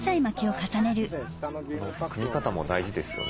この組み方も大事ですよね。